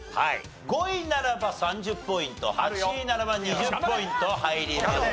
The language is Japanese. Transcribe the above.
５位ならば３０ポイント８位ならば２０ポイント入ります。